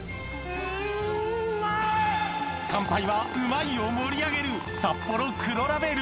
乾杯は「うまい！」を盛り上げるサッポロ黒ラベル！